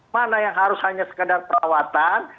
mana yang harus hanya sekedar perawatan